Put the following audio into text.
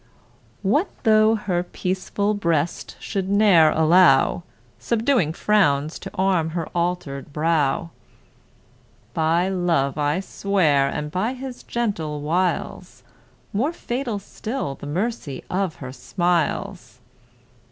What though her peaceful breast should ne'er allow Subduing frowns to arm her altered brow, By Love, I swear, and by his gentle wiles, More fatal still the mercy of her smiles!